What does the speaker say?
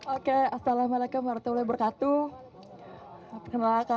oke assalamu'alaikum warahmatullahi wabarakatuh